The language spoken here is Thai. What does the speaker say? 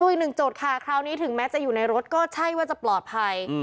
อีกหนึ่งจุดค่ะคราวนี้ถึงแม้จะอยู่ในรถก็ใช่ว่าจะปลอดภัย